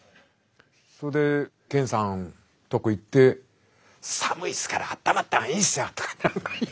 それで健さんとこ行って「寒いっすからあったまった方がいいっすよ」とか。